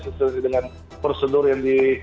sesuai dengan prosedur yang di